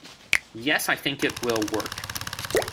Yes, I think it will work.